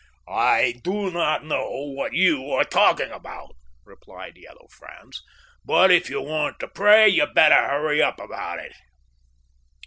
'" "I do not know what you are talking about," replied Yellow Franz; "but if you want to pray you'd better hurry up about it."